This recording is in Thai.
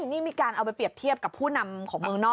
นี่มีการเอาไปเปรียบเทียบกับผู้นำของเมืองนอก